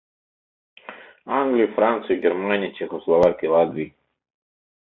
Англий, Франций, Германий, Чехословакий, Латвий...